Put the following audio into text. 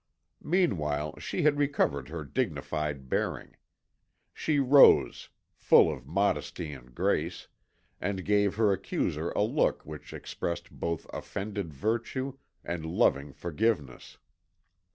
Meanwhile she had recovered her dignified bearing. She rose, full of modesty and grace, and gave her accuser a look which expressed both offended virtue and loving forgiveness.